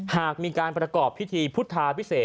หากมีการประกอบพิธีพุทธาพิเศษ